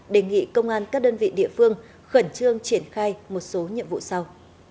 đề nghị công an các đơn vị địa phương khẩn trương triển khai một số nhiệm vụ sau